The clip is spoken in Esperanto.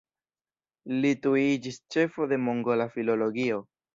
Li tuj iĝis ĉefo de mongola filologio.